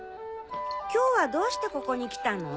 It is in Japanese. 今日はどうしてここに来たの？